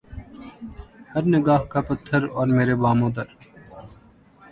ہر نگاہ کا پتھر اور میرے بام و در